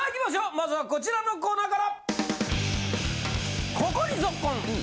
まずはこちらのコーナーから！